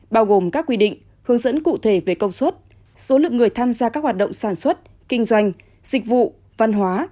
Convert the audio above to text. bao gồm các quy định hướng dẫn cụ thể về công suất số lượng người tham gia các hoạt động sản xuất kinh doanh dịch vụ văn hóa